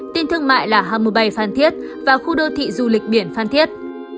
tên thương mại là hàm mô bày phan thiết và khu đô thị du lịch biển phan thiết